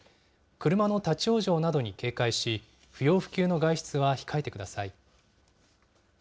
車の立往生などに警戒し、不要不急の外出は控えてください。